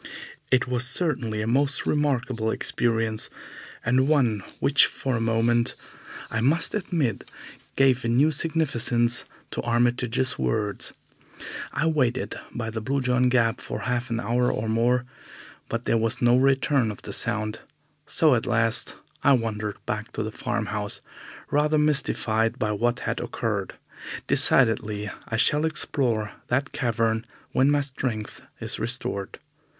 It was certainly a most remarkable experience, and one which for a moment, I must admit, gave a new significance to Armitage's words. I waited by the Blue John Gap for half an hour or more, but there was no return of the sound, so at last I wandered back to the farmhouse, rather mystified by what had occurred. Decidedly I shall explore that cavern when my strength is restored.